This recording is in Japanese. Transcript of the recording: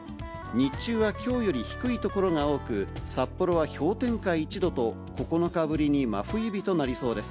日中はきょうより低い所が多く、札幌は氷点下１度と、９日ぶりに真冬日となりそうです。